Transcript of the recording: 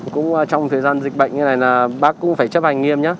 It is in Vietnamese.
cũng trong thời gian dịch bệnh như này là bác cũng phải chấp hành nghiêm nhé